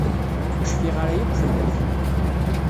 Ur cfiɣ ara yakk fell-ak.